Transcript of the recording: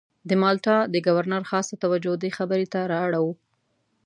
د مالټا د ګورنر خاصه توجه دې خبرې ته را اړوو.